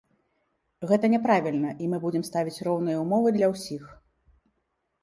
Гэта няправільна, і мы будзем ставіць роўныя ўмовы для ўсіх.